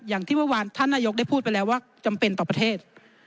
อย่างที่เมื่อวานท่านนายกได้พูดไปแล้วว่าจำเป็นต่อประเทศ